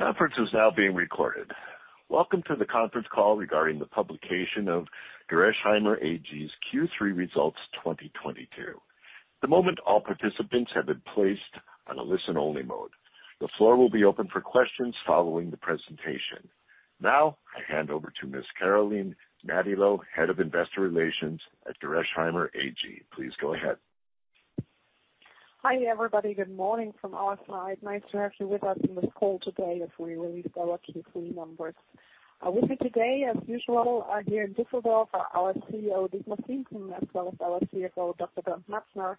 The conference is now being recorded. Welcome to the conference call regarding the publication of Gerresheimer AG's Q3 2022 results. At the moment, all participants have been placed on a listen-only mode. The floor will be open for questions following the presentation. Now I hand over to Ms. Carolin Nadilo, Head of Investor Relations at Gerresheimer AG. Please go ahead. Hi, everybody. Good morning from our side. Nice to have you with us on this call today as we release our Q3 numbers. With me today, as usual, are here in Düsseldorf, our CEO, Dietmar Siemssen, as well as our CFO, Dr. Bernd Metzner,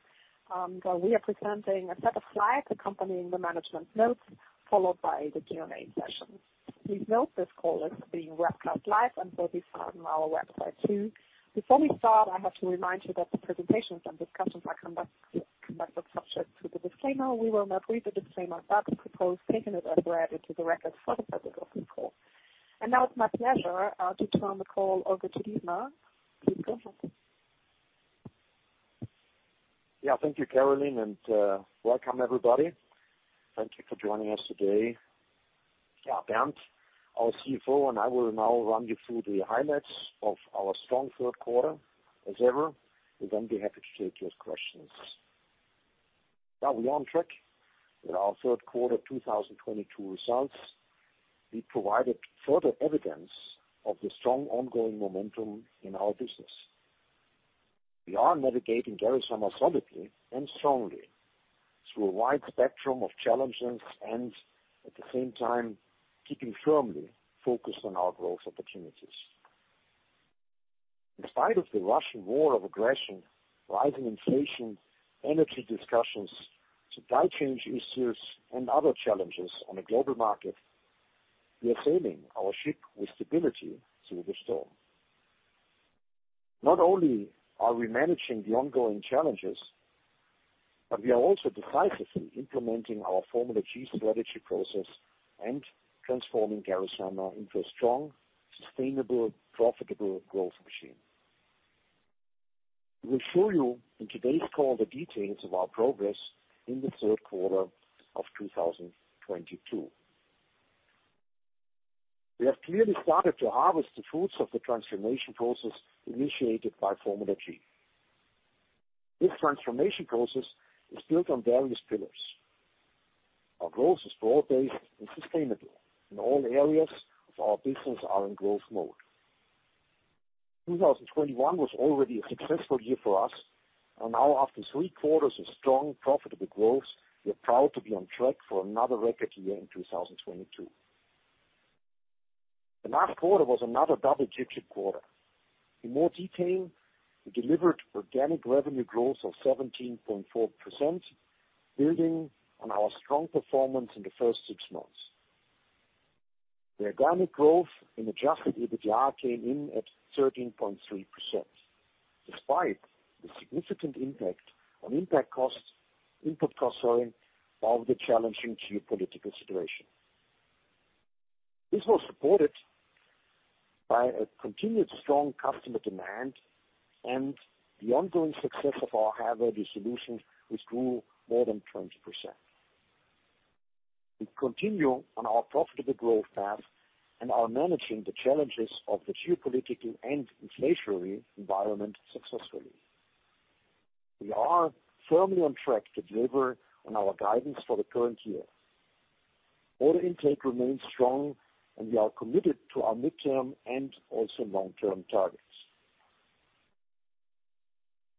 where we are presenting a set of slides accompanying the management notes, followed by the Q&A session. Please note this call is being webcast live and will be found on our website too. Before we start, I have to remind you that the presentations and discussions that may be subject to the disclaimer. We will not read the disclaimer but propose taking it as read into the record for the purpose of this call. Now it's my pleasure to turn the call over to Dietmar. Please go ahead. Yeah. Thank you, Carolin, and welcome, everybody. Thank you for joining us today. Yeah, Bernd, our CFO, and I will now run you through the highlights of our strong third quarter as ever. We'll then be happy to take your questions. Now we are on track with our third quarter 2022 results. We provided further evidence of the strong ongoing momentum in our business. We are navigating Gerresheimer solidly and strongly through a wide spectrum of challenges, and at the same time keeping firmly focused on our growth opportunities. In spite of the Russian war of aggression, rising inflation, energy discussions, supply chain issues, and other challenges on the global market, we are sailing our ship with stability through the storm. Not only are we managing the ongoing challenges, but we are also decisively implementing our Formula G strategy process and transforming Gerresheimer into a strong, sustainable, profitable growth machine. We will show you in today's call the details of our progress in the third quarter of 2022. We have clearly started to harvest the fruits of the transformation process initiated by Formula G. This transformation process is built on various pillars. Our growth is broad-based and sustainable, and all areas of our business are in growth mode. 2021 was already a successful year for us, and now after three quarters of strong profitable growth, we're proud to be on track for another record year in 2022. The last quarter was another double-digit quarter. In more detail, we delivered organic revenue growth of 17.4%, building on our strong performance in the first six months. The organic growth in adjusted EBITDA came in at 13.3% despite the significant impact on input costs following the challenging geopolitical situation. This was supported by a continued strong customer demand and the ongoing success of our High Value Solutions, which grew more than 20%. We continue on our profitable growth path and are managing the challenges of the geopolitical and inflationary environment successfully. We are firmly on track to deliver on our guidance for the current year. Order intake remains strong, and we are committed to our midterm and also long-term targets.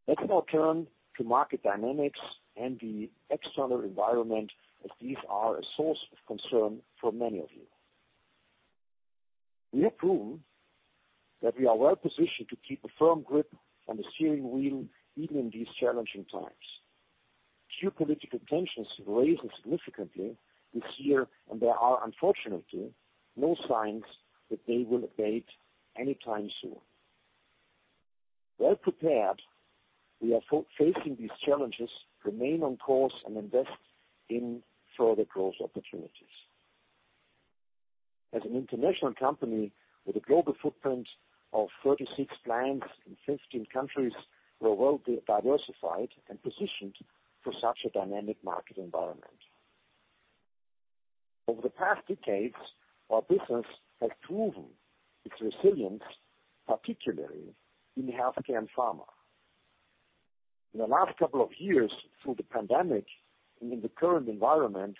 Let's now turn to market dynamics and the external environment, as these are a source of concern for many of you. We have proven that we are well-positioned to keep a firm grip on the steering wheel even in these challenging times. Geopolitical tensions have risen significantly this year, and there are unfortunately no signs that they will abate anytime soon. Well prepared, we are facing these challenges to remain on course and invest in further growth opportunities. As an international company with a global footprint of 36 plants in 15 countries, we're well diversified and positioned for such a dynamic market environment. Over the past decades, our business has proven its resilience, particularly in the health care and pharma. In the last couple of years through the pandemic and in the current environment,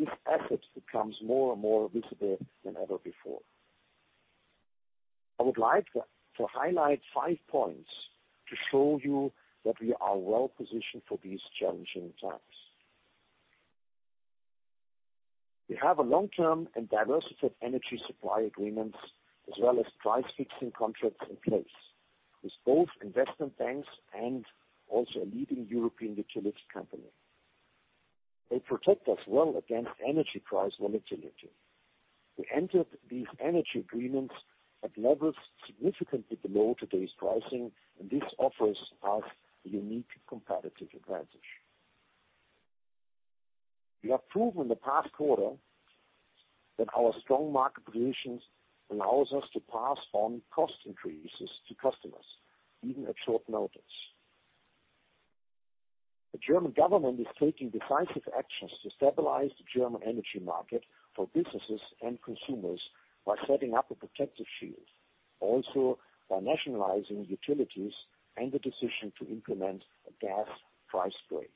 this asset becomes more and more visible than ever before. I would like to highlight five points to show you that we are well-positioned for these challenging times. We have a long-term and diversified energy supply agreements as well as price-fixing contracts in place with both investment banks and also a leading European utilities company. They protect us well against energy price volatility. We entered these energy agreements at levels significantly below today's pricing, and this offers us a unique competitive advantage. We have proven in the past quarter that our strong market positions allows us to pass on cost increases to customers, even at short notice. The German government is taking decisive actions to stabilize the German energy market for businesses and consumers by setting up a protective shield, also by nationalizing utilities and the decision to implement a gas price brake.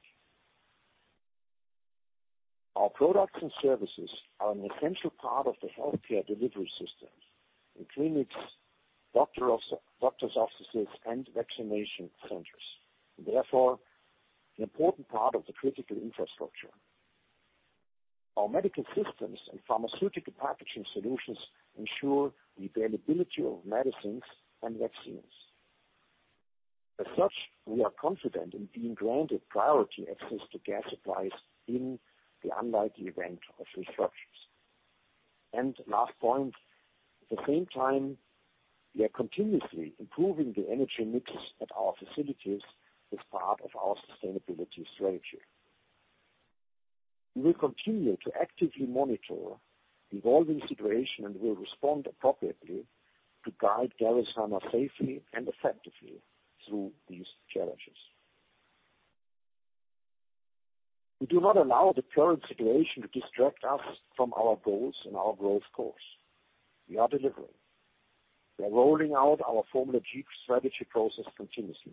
Our products and services are an essential part of the healthcare delivery system in clinics, doctor's offices, and vaccination centers, therefore, an important part of the critical infrastructure. Our medical systems and pharmaceutical packaging solutions ensure the availability of medicines and vaccines. As such, we are confident in being granted priority access to gas supplies in the unlikely event of restrictions. Last point, at the same time, we are continuously improving the energy mix at our facilities as part of our sustainability strategy. We will continue to actively monitor the evolving situation, and we'll respond appropriately to guide Gerresheimer safely and effectively through these challenges. We do not allow the current situation to distract us from our goals and our growth course. We are delivering. We are rolling out our Formula G strategy process continuously.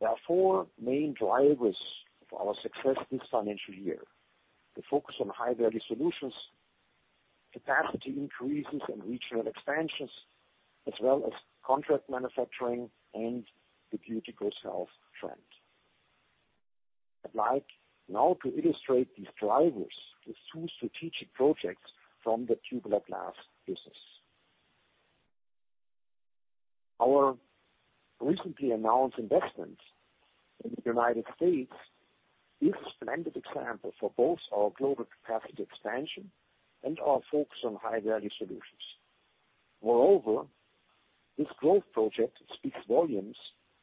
There are four main drivers of our success this financial year. The focus on High Value Solutions, capacity increases, and regional expansions, as well as contract manufacturing and the beauty-goes-health trend. I'd like now to illustrate these drivers with two strategic projects from the tubular glass business. Our recently announced investment in the United States is a splendid example for both our global capacity expansion and our focus on High Value Solutions. Moreover, this growth project speaks volumes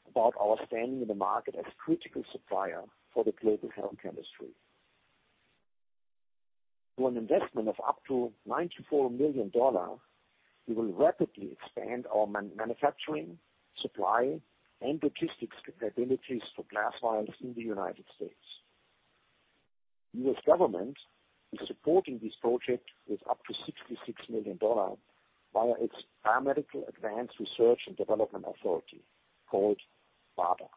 about our standing in the market as a critical supplier for the global health industry. Through an investment of up to $94 million, we will rapidly expand our manufacturing, supply, and logistics capabilities for glass vials in the United States. U.S. government is supporting this project with up to $66 million via its Biomedical Advanced Research and Development Authority, called BARDA.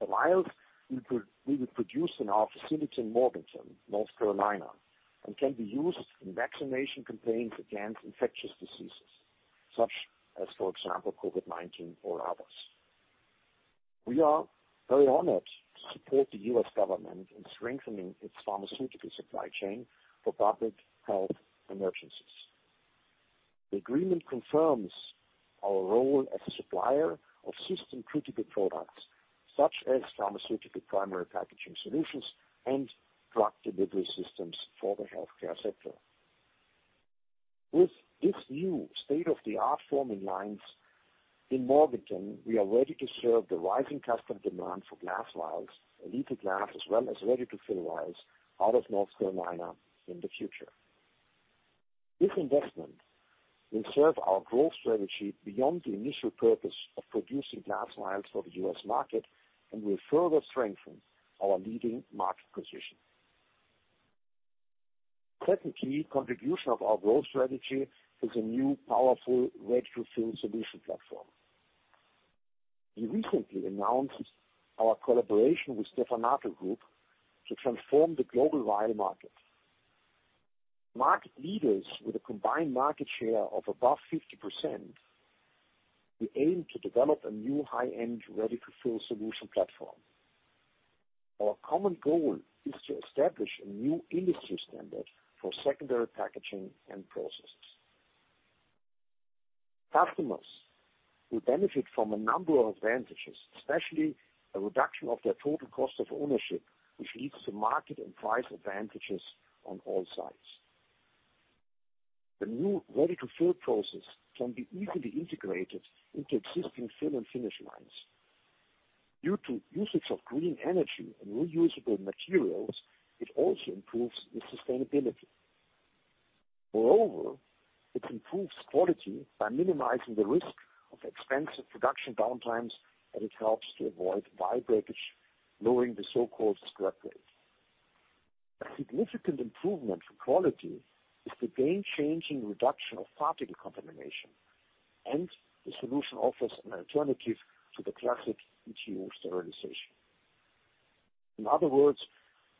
The vials we will produce in our facility in Morganton, North Carolina, and can be used in vaccination campaigns against infectious diseases such as, for example, COVID-19 or others. We are very honored to support the U.S. government in strengthening its pharmaceutical supply chain for public health emergencies. The agreement confirms our role as a supplier of system-critical products, such as pharmaceutical primary packaging solutions and drug delivery systems for the healthcare sector. With this new state-of-the-art forming lines in Morganton, we are ready to serve the rising customer demand for glass vials, Elite glass, as well as ready-to-fill vials out of North Carolina in the future. This investment will serve our growth strategy beyond the initial purpose of producing glass vials for the U.S. market, and will further strengthen our leading market position. Second key contribution of our growth strategy is a new powerful ready-to-fill solution platform. We recently announced our collaboration with Stevanato Group to transform the global vial market. Market leaders with a combined market share of above 50%, we aim to develop a new high-end ready-to-fill solution platform. Our common goal is to establish a new industry standard for secondary packaging and processes. Customers will benefit from a number of advantages, especially a reduction of their total cost of ownership, which leads to market and price advantages on all sides. The new ready-to-fill process can be easily integrated into existing fill and finish lines. Due to usage of green energy and reusable materials, it also improves the sustainability. Moreover, it improves quality by minimizing the risk of expensive production downtimes, and it helps to avoid vial breakage, lowering the so-called scrap rate. A significant improvement for quality is the game-changing reduction of particle contamination, and the solution offers an alternative to the classic EtO sterilization. In other words,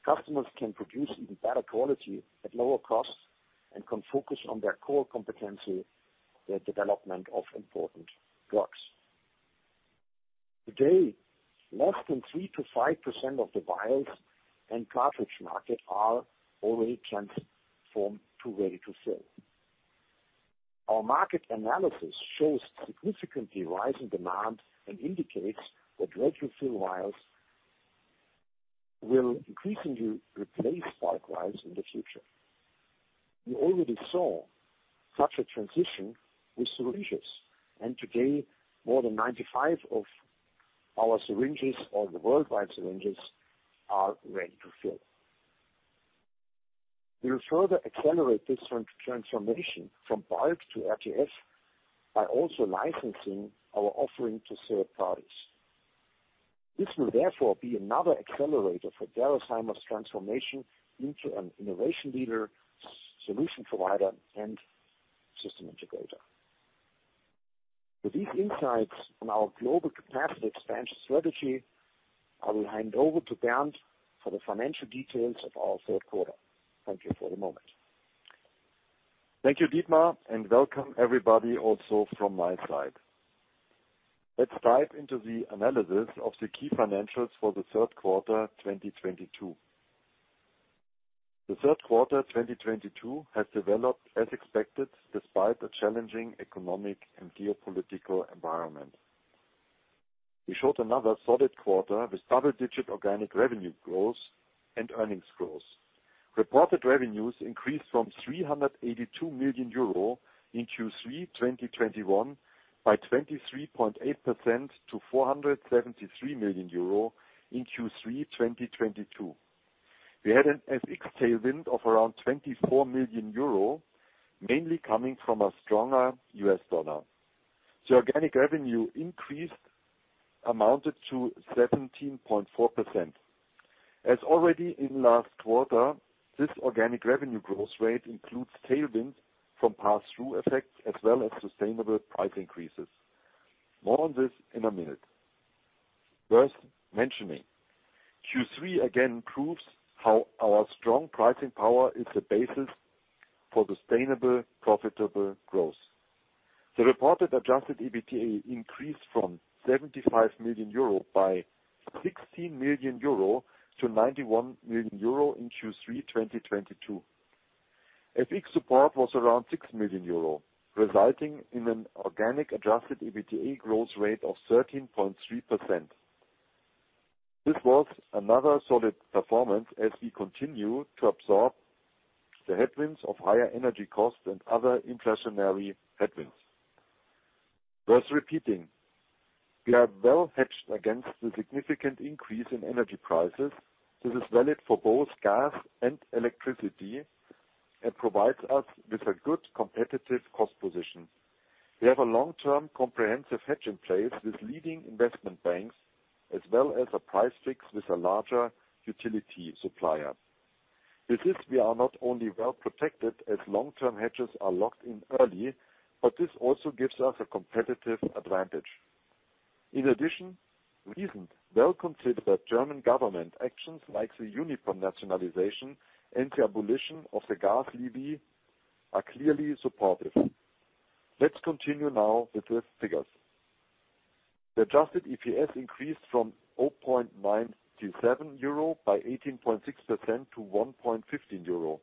customers can produce even better quality at lower costs and can focus on their core competency, the development of important drugs. Today, less than 3%-5% of the vials and cartridge market are already transformed to ready-to-fill. Our market analysis shows significantly rising demand and indicates that ready-to-fill vials will increasingly replace bulk vials in the future. We already saw such a transition with syringes, and today more than 95% of our syringes or the worldwide syringes are ready-to-fill. We will further accelerate this transformation from bulk to RTF by also licensing our offering to third parties. This will therefore be another accelerator for Gerresheimer's transformation into an innovation leader, solution provider, and system integrator. With these insights on our global capacity expansion strategy, I will hand over to Bernd for the financial details of our third quarter. Thank you for the moment. Thank you, Dietmar, and welcome everybody also from my side. Let's dive into the analysis of the key financials for the third quarter, 2022. The third quarter, 2022 has developed as expected, despite a challenging economic and geopolitical environment. We showed another solid quarter with double-digit organic revenue growth and earnings growth. Reported revenues increased from 382 million euro in Q3 2021 by 23.8% to 473 million euro in Q3 2022. We had an FX tailwind of around 24 million euro, mainly coming from a stronger U.S. dollar. The organic revenue increase amounted to 17.4%. As already in last quarter, this organic revenue growth rate includes tailwinds from pass-through effects as well as sustainable price increases. More on this in a minute. Worth mentioning, Q3 again proves how our strong pricing power is the basis for sustainable, profitable growth. The reported adjusted EBITDA increased from 75 million euro by 16 million euro to 91 million euro in Q3 2022. FX support was around 6 million euro, resulting in an organic adjusted EBITDA growth rate of 13.3%. This was another solid performance as we continue to absorb the headwinds of higher energy costs and other inflationary headwinds. Worth repeating, we are well hedged against the significant increase in energy prices. This is valid for both gas and electricity, and provides us with a good competitive cost position. We have a long-term comprehensive hedge in place with leading investment banks, as well as a price fix with a larger utility supplier. With this, we are not only well protected as long-term hedges are locked in early, but this also gives us a competitive advantage. In addition, recent well-considered German government actions like the Uniper nationalization and the abolition of the gas levy are clearly supportive. Let's continue now with the figures. The adjusted EPS increased from 0.927 euro by 18.6% to 1.15 euro.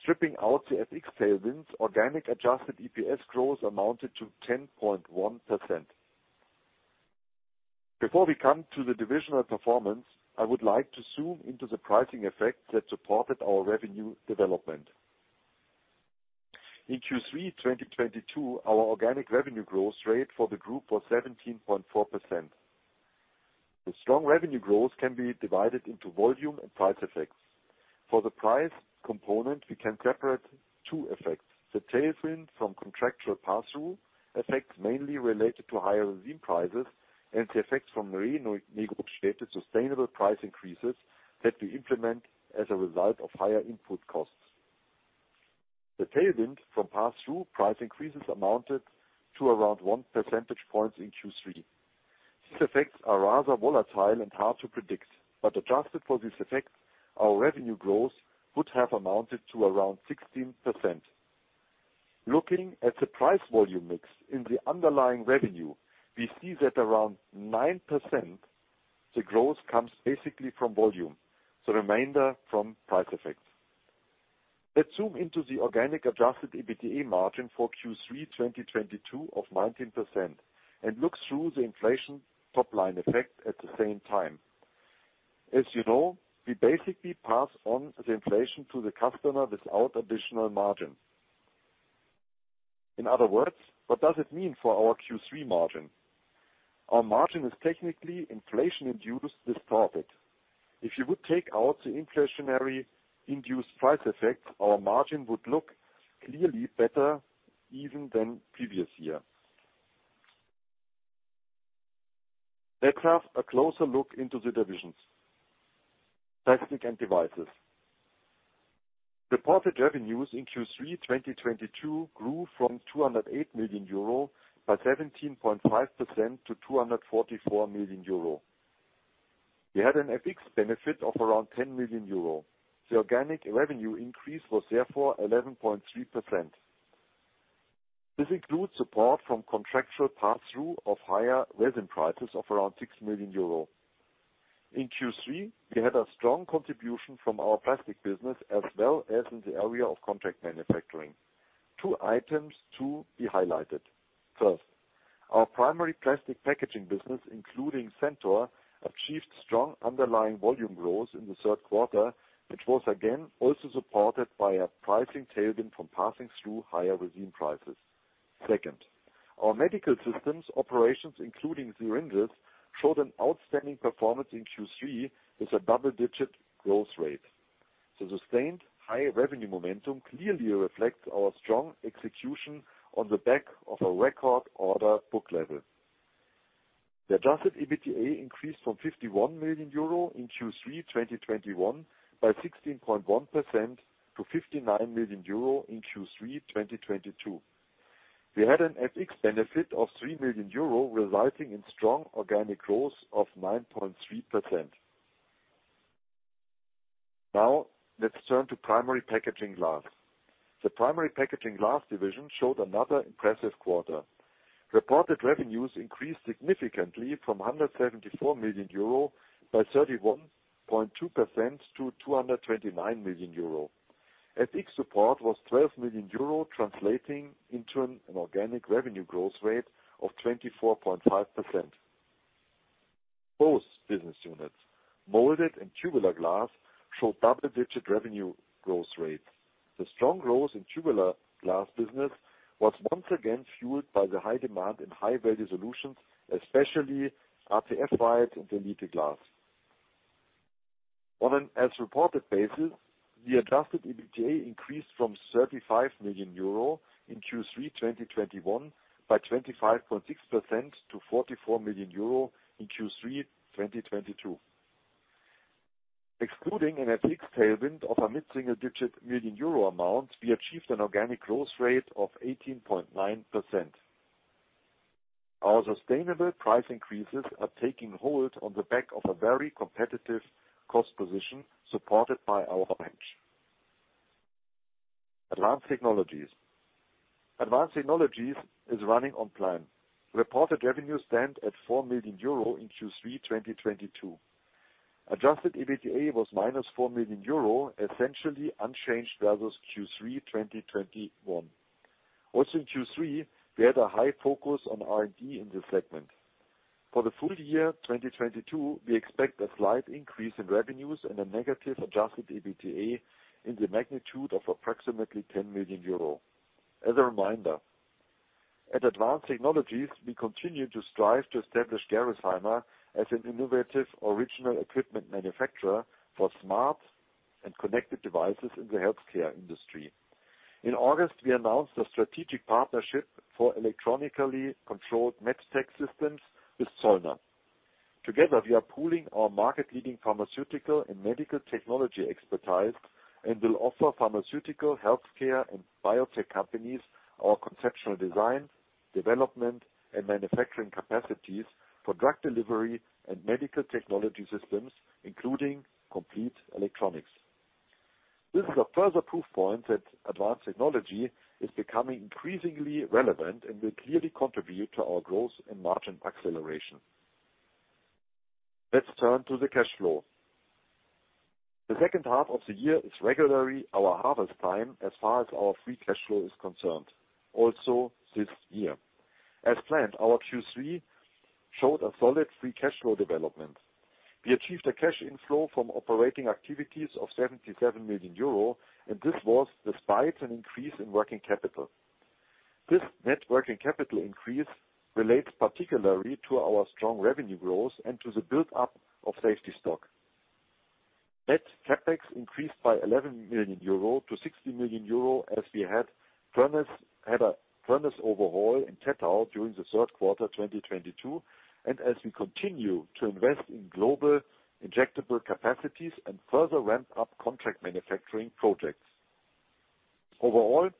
Stripping out the FX tailwinds, organic adjusted EPS growth amounted to 10.1%. Before we come to the divisional performance, I would like to zoom into the pricing effects that supported our revenue development. In Q3 2022, our organic revenue growth rate for the group was 17.4%. The strong revenue growth can be divided into volume and price effects. For the price component, we can separate two effects, the tailwind from contractual pass-through effects, mainly related to higher resin prices, and the effects from the re-negotiated sustainable price increases that we implement as a result of higher input costs. The tailwind from pass-through price increases amounted to around 1 percentage points in Q3. These effects are rather volatile and hard to predict, but adjusted for these effects, our revenue growth would have amounted to around 16%. Looking at the price-volume mix in the underlying revenue, we see that around 9%, the growth comes basically from volume, the remainder from price effects. Let's zoom into the organic adjusted EBITDA margin for Q3 2022 of 19% and look through the inflation top-line effect at the same time. As you know, we basically pass on the inflation to the customer without additional margin. In other words, what does it mean for our Q3 margin? Our margin is technically inflation-induced distorted. If you would take out the inflationary-induced price effect, our margin would look clearly better even than previous year. Let's have a closer look into the divisions. Plastics & Devices. Reported revenues in Q3 2022 grew from 208 million euro by 17.5% to 244 million euro. We had an FX benefit of around 10 million euro. The organic revenue increase was therefore 11.3%. This includes support from contractual pass-through of higher resin prices of around 6 million euro. In Q3, we had a strong contribution from our plastic business as well as in the area of contract manufacturing. Two items to be highlighted. First, our primary plastic packaging business, including Centor, achieved strong underlying volume growth in the third quarter, which was again also supported by a pricing tailwind from passing through higher resin prices. Second, our medical systems operations, including syringes, showed an outstanding performance in Q3 with a double-digit growth rate. The sustained high revenue momentum clearly reflects our strong execution on the back of a record order book level. The adjusted EBITDA increased from 51 million euro in Q3 2021 by 16.1% to 59 million euro in Q3 2022. We had an FX benefit of 3 million euro, resulting in strong organic growth of 9.3%. Now, let's turn to primary packaging glass. The primary packaging glass division showed another impressive quarter. Reported revenues increased significantly from 174 million euro by 31.2% to 229 million euro. FX support was 12 million euro, translating into an organic revenue growth rate of 24.5%. Both business units, Moulded and Tubular Glass, showed double-digit revenue growth rates. The strong growth in Tubular Glass business was once again fueled by the high demand in High Value Solutions, especially RTF vials and ampoules. On an as-reported basis, the adjusted EBITDA increased from 35 million euro in Q3 2021 by 25.6% to 44 million euro in Q3 2022. Excluding an FX tailwind of a mid-single-digit million EUR amount, we achieved an organic growth rate of 18.9%. Our sustainable price increases are taking hold on the back of a very competitive cost position, supported by our bench. Advanced Technologies. Advanced Technologies is running on plan. Reported revenues stand at 4 million euro in Q3 2022. Adjusted EBITDA was -4 million euro, essentially unchanged versus Q3 2021. Also in Q3, we had a high focus on R&D in this segment. For the full year 2022, we expect a slight increase in revenues and a negative adjusted EBITDA in the magnitude of approximately 10 million euro. As a reminder, at Advanced Technologies, we continue to strive to establish Gerresheimer as an innovative original equipment manufacturer for smart and connected devices in the healthcare industry. In August, we announced a strategic partnership for electronically controlled MedTech systems with Zollner. Together, we are pooling our market-leading pharmaceutical and medical technology expertise and will offer pharmaceutical, healthcare, and biotech companies our conceptual design, development, and manufacturing capacities for drug delivery and medical technology systems, including complete electronics. This is a further proof point that Advanced Technology is becoming increasingly relevant and will clearly contribute to our growth and margin acceleration. Let's turn to the cash flow. The second half of the year is regularly our harvest time as far as our free cash flow is concerned, also this year. As planned, our Q3 showed a solid free cash flow development. We achieved a cash inflow from operating activities of 77 million euro, and this was despite an increase in working capital. This net working capital increase relates particularly to our strong revenue growth and to the build-up of safety stock. Net CapEx increased by 11 million euro to 60 million euro as we had a furnace overhaul in Tettau during the third quarter 2022, and as we continue to invest in global injectable capacities and further ramp up contract manufacturing projects. Overall,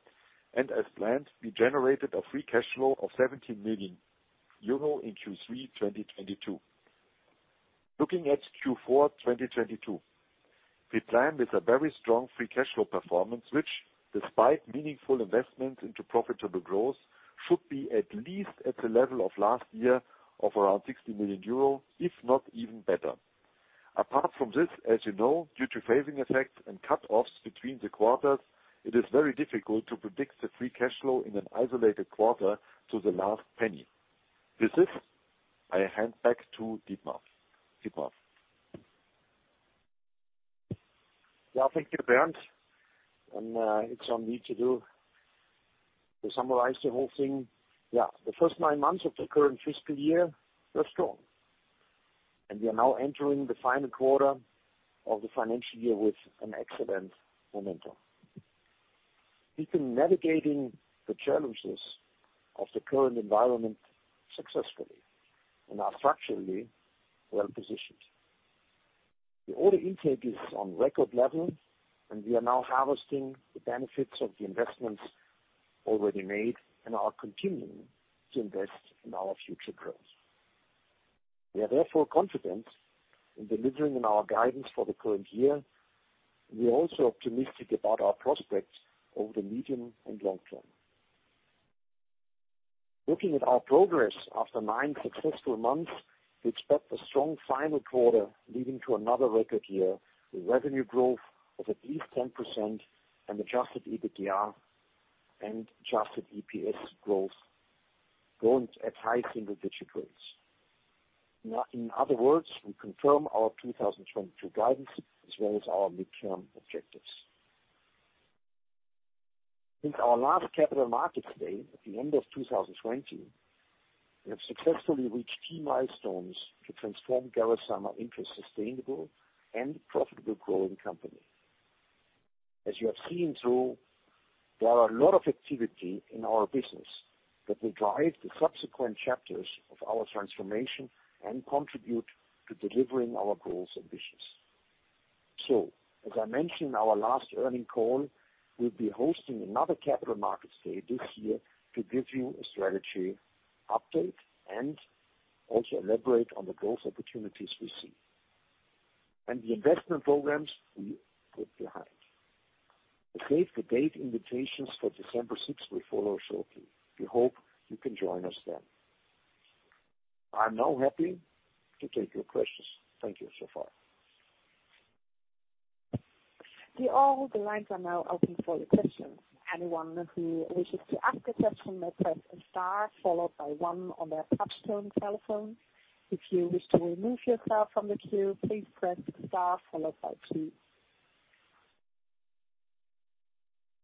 as planned, we generated a free cash flow of 17 million euro in Q3 2022. Looking at Q4 2022, we plan with a very strong free cash flow performance, which despite meaningful investments into profitable growth, should be at least at the level of last year of around 60 million euro, if not even better. Apart from this, as you know, due to phasing effects and cut-offs between the quarters, it is very difficult to predict the free cash flow in an isolated quarter to the last penny. With this, I hand back to Dietmar. Dietmar? Yeah. Thank you, Bernd. It's on me to do. To summarize the whole thing, yeah, the first nine months of the current fiscal year were strong, and we are now entering the final quarter of the financial year with an excellent momentum. We've been navigating the challenges of the current environment successfully and are structurally well-positioned. The order intake is on record level, and we are now harvesting the benefits of the investments already made and are continuing to invest in our future growth. We are therefore confident in delivering on our guidance for the current year. We are also optimistic about our prospects over the medium and long term. Looking at our progress after nine successful months, we expect a strong final quarter leading to another record year, with revenue growth of at least 10% and adjusted EBITDA and adjusted EPS growth growing at high single-digit rates. In other words, we confirm our 2022 guidance as well as our midterm objectives. Since our last Capital Markets Day at the end of 2020, we have successfully reached key milestones to transform Gerresheimer into a sustainable and profitable growing company. As you have seen through, there are a lot of activity in our business that will drive the subsequent chapters of our transformation and contribute to delivering our goals and missions. As I mentioned in our last earnings call, we'll be hosting another Capital Markets Day this year to give you a strategy update and also elaborate on the growth opportunities we see, and the investment programs we put behind. The save the date invitations for December 6th will follow shortly. We hope you can join us then. I'm now happy to take your questions. Thank you so far. Dear all, the lines are now open for your questions. Anyone who wishes to ask a question may press star followed by one on their touchtone telephone. If you wish to remove yourself from the queue, please press star followed by two.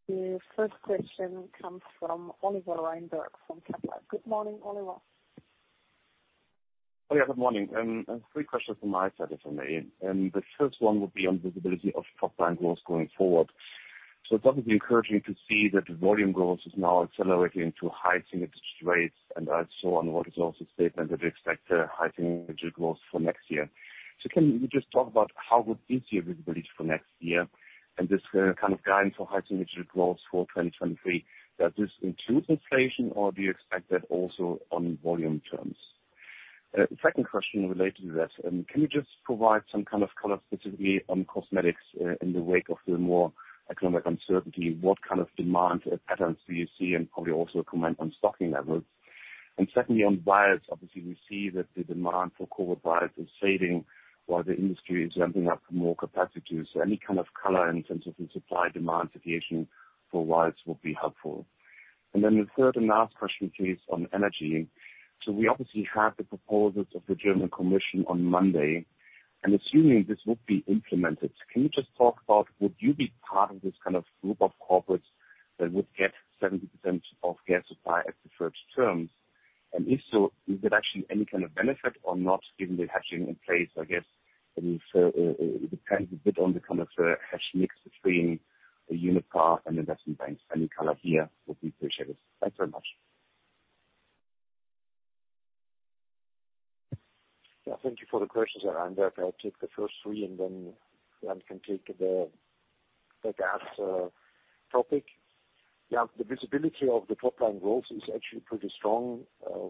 The first question comes from Oliver Reinberg from Kepler. Good morning, Oliver. Oh, yeah, good morning. I have three questions from my side, if I may. The first one would be on visibility of top line growth going forward. It's obviously encouraging to see that volume growth is now accelerating to high single-digit rates. I saw on results statement that you expect high single-digit growth for next year. Can you just talk about how good is your visibility for next year and this kind of guidance for high single-digit growth for 2023? Does this include inflation or do you expect that also on volume terms? The second question related to that, can you just provide some kind of color specifically on cosmetics, in the wake of the macroeconomic uncertainty, what kind of demand patterns do you see, and probably also comment on stocking levels? Secondly, on vials, obviously we see that the demand for COVID vials is fading while the industry is ramping up more capacity. Any kind of color in terms of the supply-demand situation for vials will be helpful. Then the third and last question, please, on energy. We obviously have the proposals of the Gas Commission on Monday. Assuming this will be implemented, can you just talk about would you be part of this kind of group of corporates that would get 70% of gas supply at preferred terms? If so, is it actually any kind of benefit or not, given the hedging in place, I guess it depends a bit on the kind of hedge mix between the Uniper and investment banks. Any color here would be appreciated. Thanks very much. Yeah, thank you for the questions around that. I'll take the first three, and then Bernd can take the gas topic. Yeah, the visibility of the top line growth is actually pretty strong.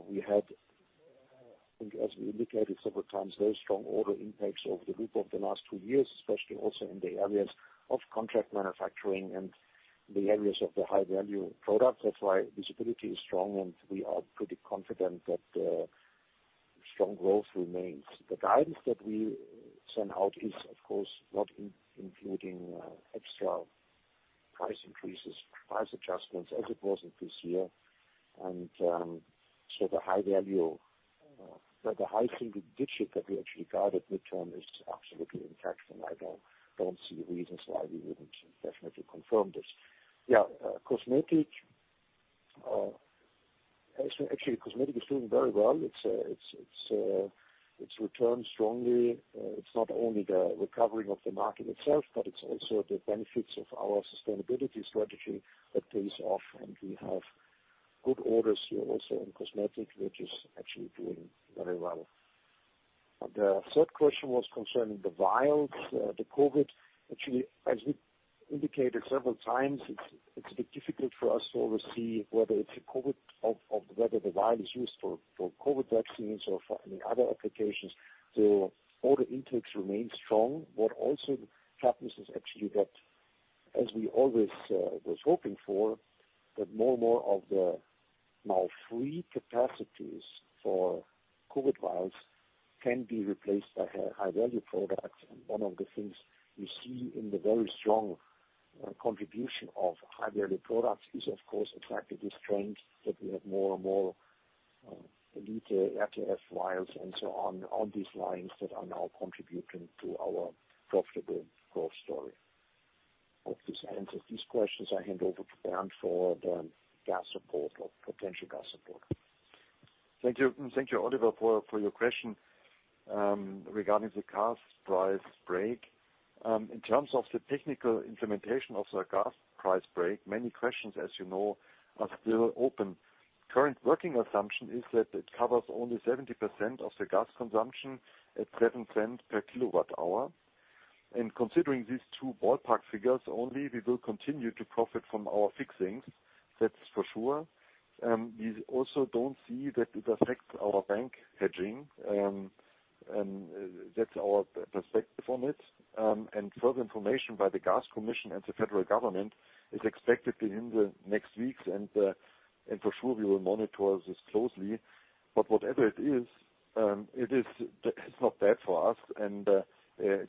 We had, I think as we indicated several times, very strong order impacts over the group of the last two years, especially also in the areas of contract manufacturing and the areas of the high-value products. That's why visibility is strong, and we are pretty confident that strong growth remains. The guidance that we send out is of course not including extra price increases, price adjustments as it was in this year. So the high value, the high single digit that we actually guided mid-term is absolutely on track, and I don't see the reasons why we wouldn't definitely confirm this. Yeah, cosmetic, actually cosmetic is doing very well. It's returned strongly. It's not only the recovering of the market itself, but it's also the benefits of our sustainability strategy that pays off. We have good orders here also in cosmetic, which is actually doing very well. The third question was concerning the vials, the COVID. Actually, as we indicated several times, it's a bit difficult for us to oversee whether it's a COVID or whether the vial is used for COVID vaccines or for any other applications. Order intakes remain strong. What also happens is actually that, as we always was hoping for, that more and more of the now free capacities for COVID vials can be replaced by high-value products. One of the things we see in the very strong contribution of high-value products is, of course, attracting this trend that we have more and more Elite RTF vials and so on these lines that are now contributing to our profitable growth story. Hope this answers these questions. I hand over to Bernd for the gas support or potential gas support. Thank you. Thank you, Oliver, for your question regarding the gas price break. In terms of the technical implementation of the gas price break, many questions, as you know, are still open. Current working assumption is that it covers only 70% of the gas consumption at EUR 0.07 per kilowatt hour. Considering these two ballpark figures only, we will continue to profit from our fixings. That's for sure. We also don't see that it affects our bank hedging, and that's our perspective on it. Further information by the Gas Commission and the federal government is expected in the next weeks. For sure we will monitor this closely. Whatever it is, it's not bad for us and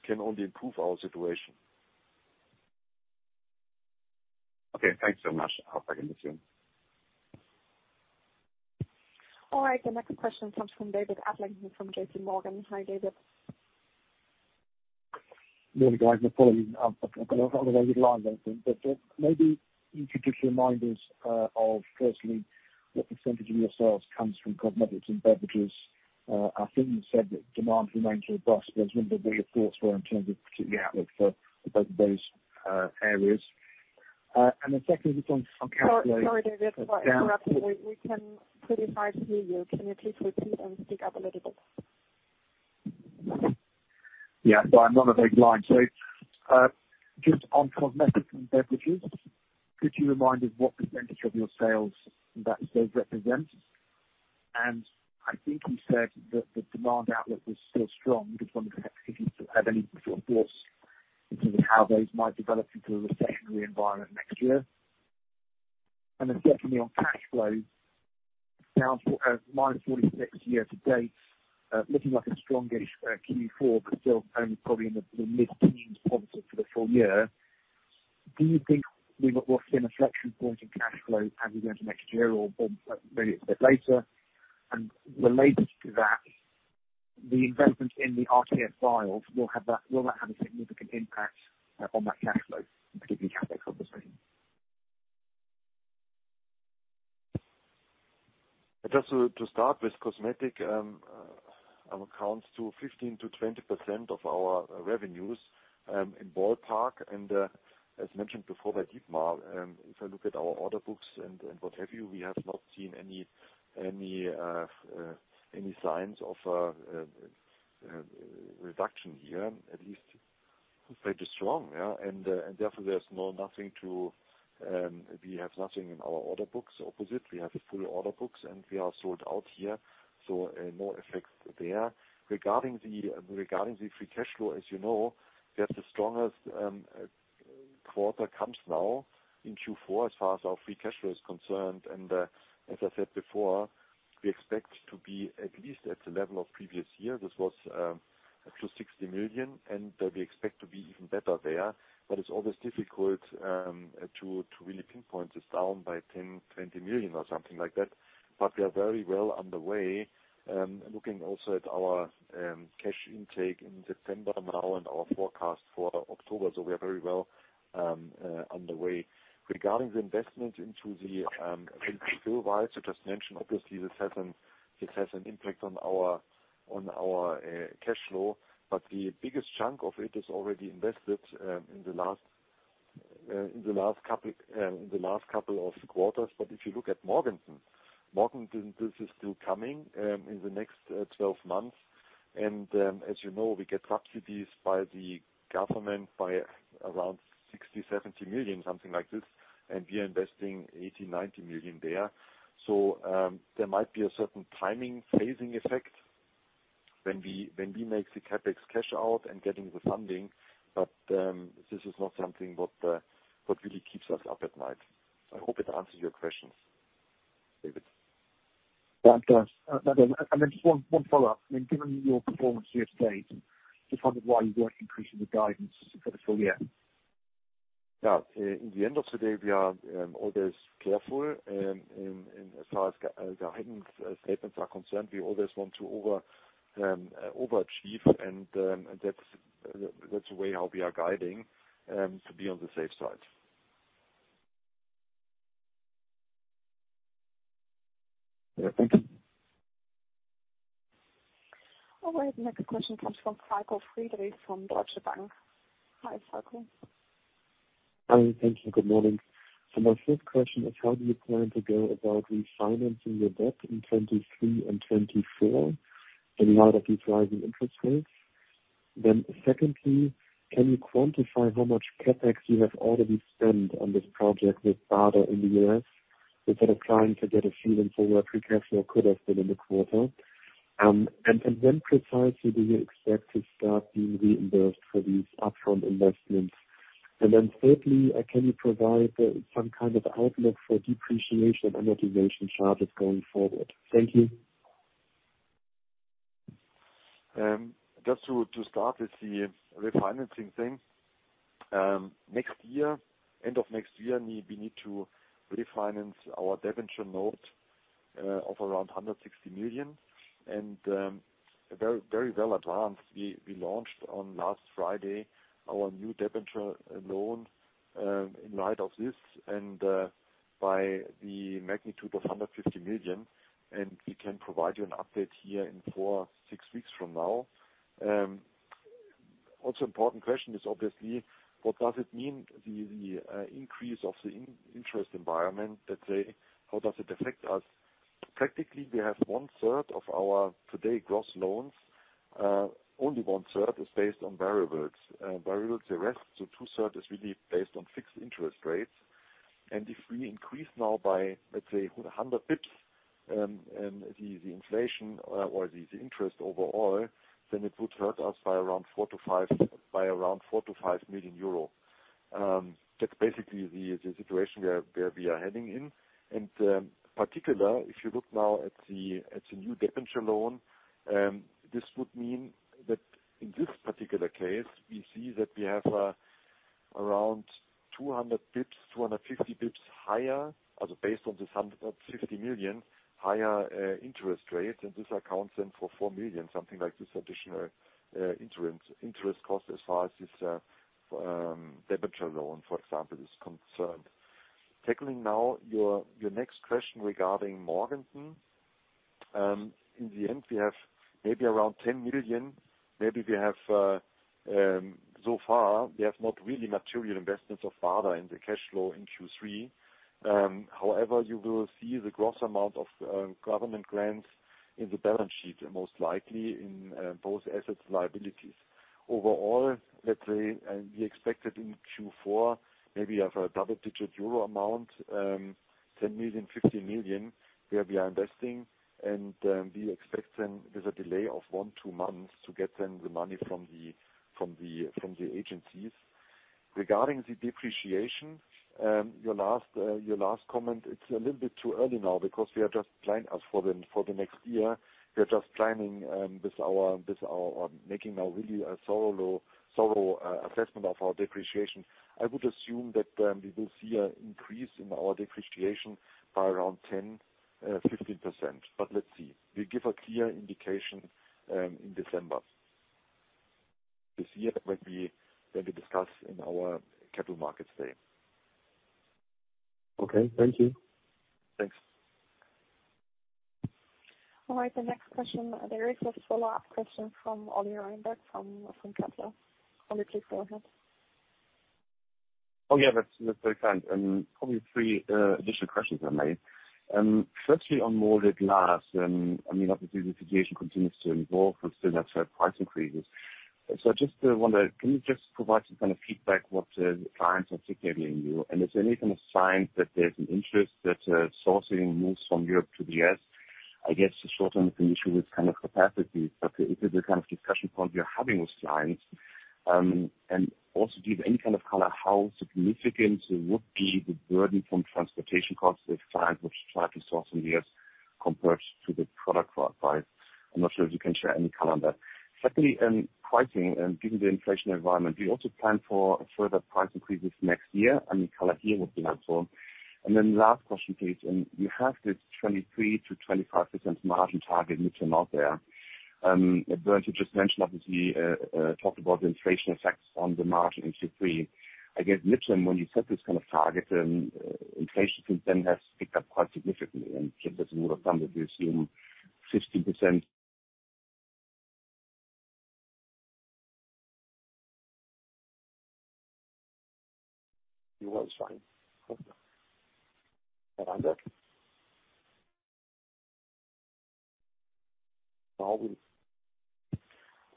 can only improve our situation. Okay, thanks so much. I'll be back in with you. All right. The next question comes from David Adlington from JPMorgan. Hi, David. Really glad to follow you. I've got a very good line, I think. Maybe you could just remind us of personally what percentage of your sales comes from cosmetics and beverages. I think you said that demand remains robust. I was wondering what your thoughts were in terms of particular outlook for both of those, areas. Secondly, just on cash flow. Sorry, David. Sorry to interrupt you. We can hardly hear you. Can you please repeat and speak up a little bit? Just on cosmetics and beverages, could you remind us what percentage of your sales that those represent? I think you said that the demand outlook was still strong. Just wondered if you had any sort of thoughts in terms of how those might develop into a recessionary environment next year. Then secondly, on cash flow, down minus 46 year to date, looking like a strong-ish Q4, but still only probably in the mid-teens positive for the full year. Do you think we will see an inflection point in cash flow as we go into next year or maybe a bit later? Related to that, the investment in the RTF vials will that have a significant impact on that cash flow, particularly CapEx, obviously? Just to start with cosmetic accounts for 15%-20% of our revenues, in ballpark. As mentioned before by Dietmar, if I look at our order books and what have you, we have not seen any signs of reduction here, at least pretty strong, yeah. Therefore there's nothing to, we have nothing in our order books. Opposite, we have full order books, and we are sold out here. No effects there. Regarding the free cash flow, as you know, we have the strongest quarter comes now in Q4 as far as our free cash flow is concerned. As I said before, we expect to be at least at the level of previous year. This was up to 60 million, and we expect to be even better there. It's always difficult to really pinpoint this down by 10 million, 20 million or something like that. We are very well on the way, looking also at our cash intake in September now and our forecast for October, so we are very well on the way. Regarding the investment into the fuel cells you just mentioned, obviously this has an impact on our cash flow. The biggest chunk of it is already invested in the last couple of quarters. If you look at Morganton, this is still coming in the next 12 months. As you know, we get subsidies by the government by around 60-70 million, something like this, and we are investing 80-90 million there. There might be a certain timing phasing effect when we make the CapEx cash out and getting the funding, but this is not something what really keeps us up at night. I hope it answers your questions, David. That does. Then just one follow-up. I mean, given your performance year to date, just wondered why you weren't increasing the guidance for the full year. Yeah. In the end of the day, we are always careful in as far as our guidance statements are concerned. We always want to overachieve and that's the way how we are guiding to be on the safe side. Yeah, thank you. All right, the next question comes from Falko Friedrichs from Deutsche Bank. Hi, Falko. Hi, thank you. Good morning. My first question is how do you plan to go about refinancing your debt in 2023 and 2024 in light of these rising interest rates? Secondly, can you quantify how much CapEx you have already spent on this project with BARDA in the U.S. instead of trying to get a feeling for where free cash flow could have been in the quarter? When precisely do you expect to start being reimbursed for these upfront investments? Thirdly, can you provide some kind of outlook for depreciation and amortization charges going forward? Thank you. Just to start with the refinancing thing, next year, end of next year, we need to refinance our debenture note of around 160 million. Very well advanced. We launched on last Friday our new promissory note in light of this and by the magnitude of 150 million, and we can provide you an update here in four to six weeks from now. Also important question is obviously what does it mean the increase of the interest-rate environment, let's say, how does it affect us? Practically, we have one-third of our total gross loans. Only one-third is based on variables. The rest, so two-thirds is really based on fixed interest rates. If we increase now by, let's say, a hundred basis points, the inflation or the interest overall, then it would hurt us by around 4 million - 5 million euro. That's basically the situation where we are heading in. In particular, if you look now at the new promissory note, this would mean that- In this particular case, we see that we have around 200 pips, 250 pips higher as based on this of 50 million higher interest rate, and this accounts then for 4 million, something like this additional interest cost as far as this promissory note, for example, is concerned. Tackling now your next question regarding Morganton. In the end, we have maybe around 10 million, maybe we have so far we have not really material investments or further in the cash flow in Q3. However, you will see the gross amount of government grants in the balance sheet, most likely in both assets and liabilities. Overall, let's say, we expected in Q4 maybe a double-digit EUR amount, 10 million euro, 15 million, where we are investing, and we expect then there's a delay of 1-2 months to get then the money from the agencies. Regarding the depreciation, your last comment, it's a little bit too early now because we are just planning for the next year. We are just planning our thorough assessment of our depreciation. I would assume that we will see an increase in our depreciation by around 10-15%. Let's see. We give a clear indication in December this year when we discuss in our Capital Markets Day. Okay. Thank you. Thanks. All right. The next question. There is a follow-up question from Oliver Reinberg from Kepler. Oliver, please go ahead. Oh, yeah, that's very kind. Probably three additional questions I made. Firstly, on molded glass, I mean, obviously the situation continues to evolve with certain price increases. I just wonder, can you just provide some kind of feedback what clients are signaling you? Is there any kind of signs that there's an interest that sourcing moves from Europe to the U.S., I guess, to shorten the issue with kind of capacity? Is it the kind of discussion point you're having with clients? Also give any kind of color how significant would be the burden from transportation costs if clients would try to source in the U.S. compared to the product price. I'm not sure if you can share any color on that. Secondly, pricing, given the inflation environment, do you also plan for further price increases next year? Any color here would be helpful. Last question, please. You have this 23%-25% margin target midterm out there. Bernd, you just mentioned, obviously, talked about the inflation effects on the margin in Q3. I guess, midterm, when you set this kind of target and, inflation since then has picked up quite significantly, and just as we would have done, we assume 50%. It was fine. Okay. I'm back. No.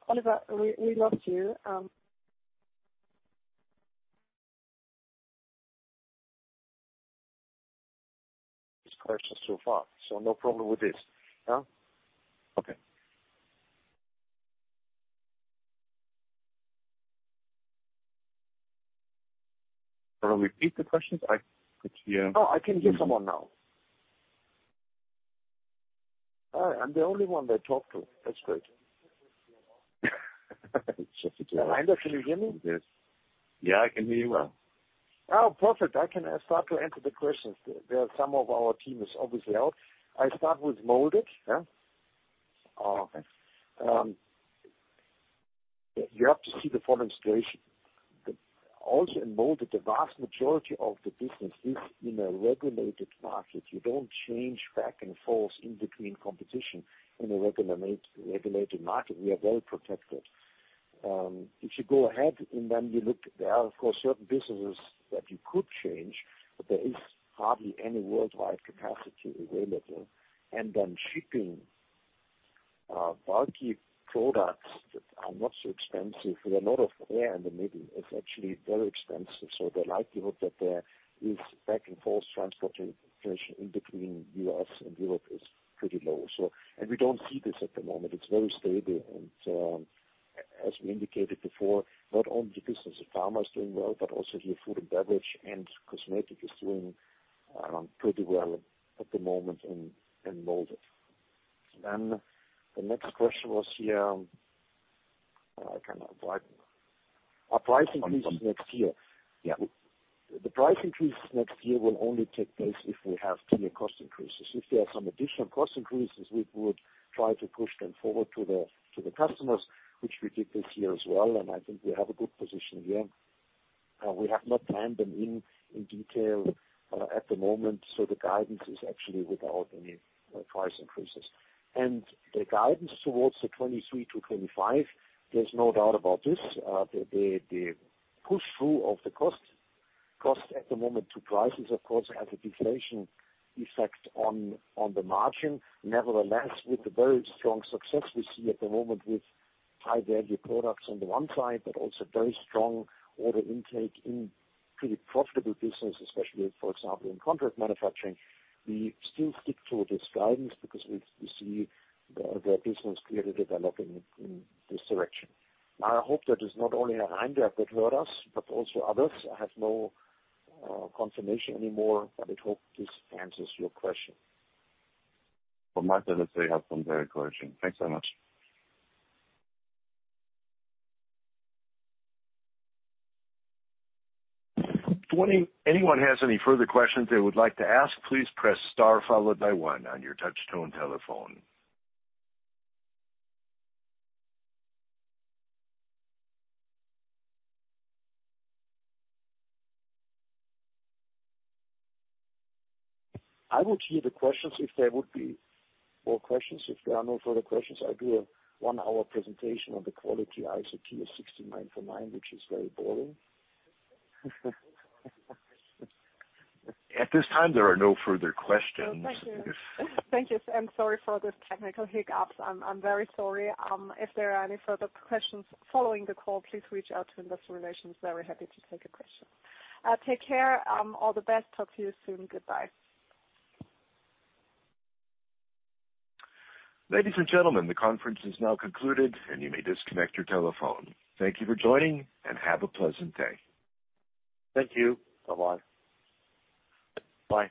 Oliver, we lost you. This question so far, so no problem with this. No? Okay. Wanna repeat the questions? No, I can hear someone now. All right. I'm the only one they talk to. That's great. It's just a joke. Reinder, can you hear me? Yes. Yeah, I can hear you well. Oh, perfect. I can start to answer the questions. There are some of our team is obviously out. I start with molded, yeah? You have to see the following situation. Also, in molded, the vast majority of the business is in a regulated market. You don't change back and forth in between competition in a regulated market. We are very protected. If you go ahead and then you look, there are, of course, certain businesses that you could change, but there is hardly any worldwide capacity available. Shipping bulky products that are not so expensive with a lot of air in the middle is actually very expensive. The likelihood that there is back-and-forth transport inflation in between U.S. and Europe is pretty low, so. We don't see this at the moment. It's very stable. As we indicated before, not only the business of pharma is doing well, but also here food & beverage and cosmetics is doing pretty well at the moment in molded. The next question was here, I cannot write. Are price increases next year? Yeah. The price increases next year will only take place if we have clear cost increases. If there are some additional cost increases, we would try to push them forward to the customers, which we did this year as well, and I think we have a good position here. We have not planned them in detail at the moment, so the guidance is actually without any price increases. The guidance towards 2023-2025, there's no doubt about this. The pass-through of the cost at the moment to prices, of course, has a deflation effect on the margin. Nevertheless, with the very strong success we see at the moment with high-value products on the one side, but also very strong order intake in pretty profitable business, especially, for example, in contract manufacturing, we still stick to this guidance because we see the business clearly developing in this direction. Now, I hope that is not only Reinder that heard us, but also others. I have no confirmation anymore, but I hope this answers your question. From my side, let's say I have some very correction. Thanks so much. If anyone has any further questions they would like to ask, please press star followed by one on your touch tone telephone. I will hear the questions if there would be more questions. If there are no further questions, I'll do a one-hour presentation on the quality ISO/TS 16949, which is very boring. At this time, there are no further questions. Thank you. I'm sorry for the technical hiccups. I'm very sorry. If there are any further questions following the call, please reach out to Investor Relations. Very happy to take a question. Take care. All the best. Talk to you soon. Goodbye. Ladies and gentlemen, the conference is now concluded, and you may disconnect your telephone. Thank you for joining, and have a pleasant day. Thank you. Bye-bye. Bye.